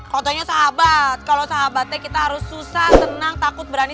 fotonya sahabat kalau sahabatnya kita harus susah tenang takut berani